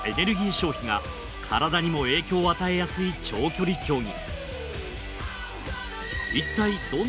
消費が体にも影響を与えやすい長距離競技。